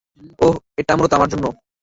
অহ, এটা মূলত আমার জন্য।